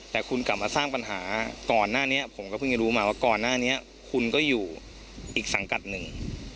แต่คุณกลับมาสร้างปัญหาก่อนหน้านี้ผมก็เพิ่งจะรู้มาว่าก่อนหน้านี้คุณก็อยู่อีกสังกัดหนึ่ง